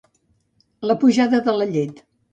La pujada de la llet.